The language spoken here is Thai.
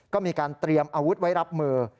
ก็มีการเตรียมอาวุธไว้รับมือ